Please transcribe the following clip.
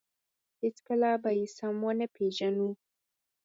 هېڅکله به یې سم ونه پېژنو.